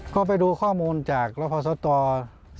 ก็ไปดูข้อมูลจากรพศต